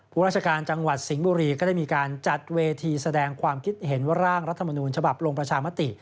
ราชการจังหวัดสิงห์บุรีก็ได้มีการจัดเวทีแสดงความคิดเห็นว่าร่างรัฐมนูญฉบับลงประชามติ